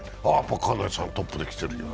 金谷さんトップで来てるよ。